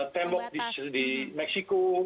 tembok di meksiko